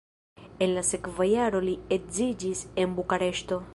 En la sekva jaro li edziĝis en Bukareŝto.